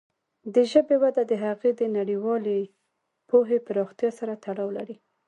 د ژبې وده د هغې د نړیوالې پوهې پراختیا سره تړاو لري.